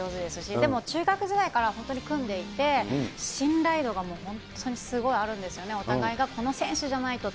でも中学時代から本当に組んでいて、信頼度が本当にすごいあるんですよね。お互いがこの選手じゃないとって。